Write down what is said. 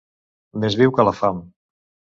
Més viu que la fam.